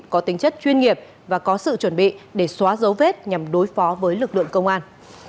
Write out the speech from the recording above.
có tính chất chuyên nghiệp và có sự chuẩn bị để xóa dấu vết nhằm đối phó với lực lượng công an